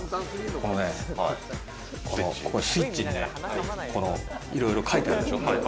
このね、スイッチにね、いろいろ書いてあるでしょ。